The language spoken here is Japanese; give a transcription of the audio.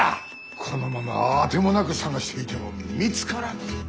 このまま当てもなく捜していても見つからぬ。